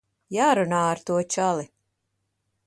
Jārunā ar to čali.